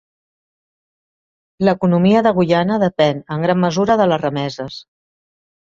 L'economia de Guyana depèn en gran mesura de les remeses.